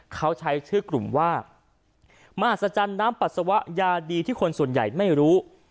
เขาใช้ชื่อกลุ่มว่ามหัศจรรย์น้ำปัสสาวะยาดีที่คนส่วนใหญ่ไม่รู้